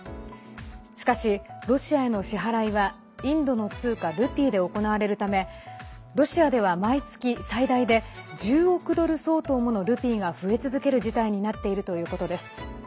しかし、ロシアへの支払いはインドの通貨ルピーで行われるためロシアでは毎月最大で１０億ドル相当ものルピーが増え続ける事態になっているということです。